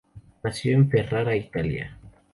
Nació en Ferrara, Italia.